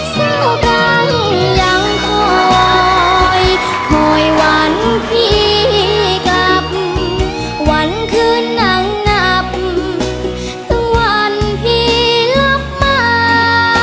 เส้ากังยังคอยคอยวันพี่กลับวันคืนนั่งนับตั้งวันพี่รับมา